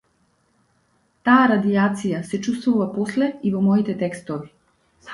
Таа радијација се чувствува после и во моите текстови.